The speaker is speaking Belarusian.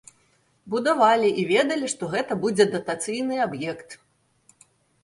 Будавалі і ведалі, што гэта будзе датацыйны аб'ект.